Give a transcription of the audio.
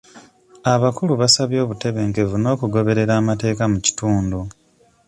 Abakulu basabye obutebenkevu n'okugoberera amateeka mu kitundu.